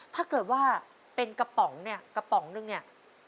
ถ้าเกิดว่าเป็นกระป๋องเนี่ยกระป๋องนึงเนี่ย